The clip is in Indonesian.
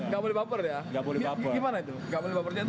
gak boleh baper ya gimana itu